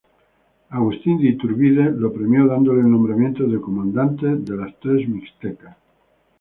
Agustín de Iturbide lo premió dándole el nombramiento de "Comandante de las Tres Mixtecas".